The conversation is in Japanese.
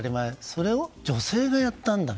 それを女性がやったんだ。